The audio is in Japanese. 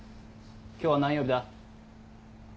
今日は何曜日だ？